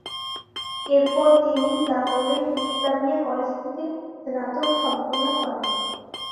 এরপর তিনি লাহোরের ইসলামিয়া কলেজ থেকে স্নাতক সম্পন্ন করেন।